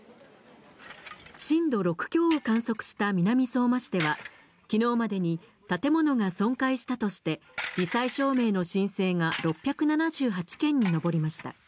震度６強を観測した南相馬市では、きのうまでに建物が損壊したとして、り災証明の申請が６７８件に上りました。